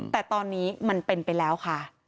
แต่ตอนนี้มันเป็นไปแล้วค่ะ